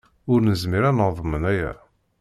Ur nezmir ad neḍmen aya.